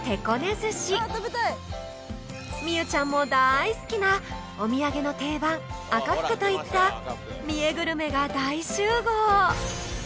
寿司望結ちゃんもだいすきなお土産の定番「赤福」といった三重グルメが大集合！